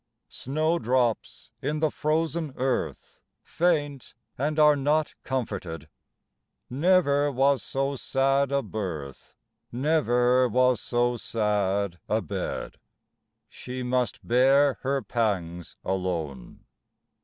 Snowdrops in the frozen earth Faint and are not comforted ; Never was so sad a birth, Never was so sad a bed. She must bear her pangs alone.